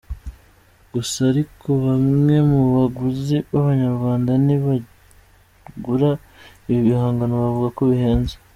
Gusa ariko bamwe mu baguzi b’Abanyarwanda ntibagura ibi bihangano bavuga ko bihenze.